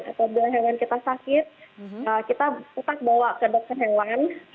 apabila hewan kita sakit kita tetap bawa ke dokter hewan